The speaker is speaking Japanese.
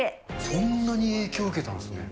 そんなに影響受けたんですね。